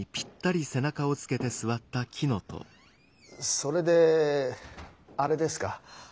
それでアレですか。